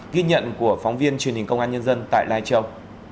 ghi nhận của phóng viên truyền hình công an nhân dân tại lai châu